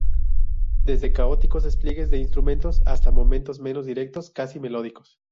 Desde caóticos despliegues de instrumentos hasta momentos menos directos, casi melódicos.